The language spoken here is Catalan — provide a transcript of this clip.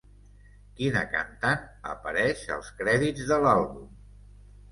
Quina cantant apareix als crèdits de l'àlbum?